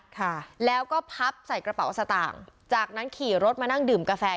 ค่ะแล้วก็พับใส่กระเป๋าสตางค์จากนั้นขี่รถมานั่งดื่มกาแฟ